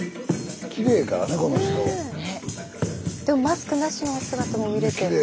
でもマスクなしのお姿も見れて。